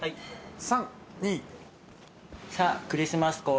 ３・２。